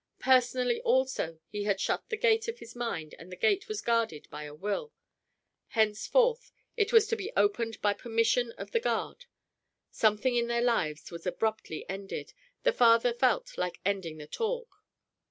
Personally, also, he had shut the gate of his mind and the gate was guarded by a will; henceforth it was to be opened by permission of the guard. Something in their lives was abruptly ended; the father felt like ending the talk.